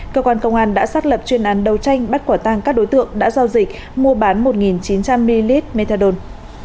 cơ quan công an đã xác lập chuyên án đầu tranh bắt quả tang các đối tượng đã giao dịch mua bán một chín trăm linh ml